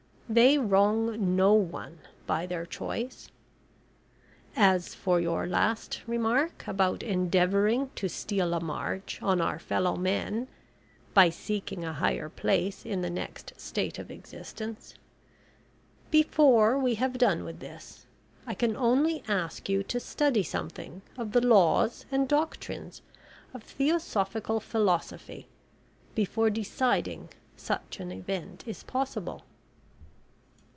They wrong no one by their choice. As for your last remark about endeavouring to steal a march on our fellow men by seeking a higher place in the next state of existence, before we have done with this, I can only ask you to study something of the laws and doctrines of theosophical philosophy before deciding such an event is possible."